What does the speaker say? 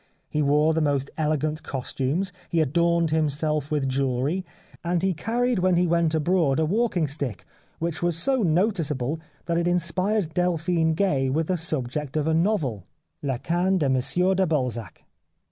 He wore the most elegant costumes, he adorned himself with jewellery, and he carried when he went abroad a walking stick which was so noticeable that it inspired Delphine Gay with the subject of a novel, " La 233 The Life of Oscar Wilde Canne de Monsieur de Balzac."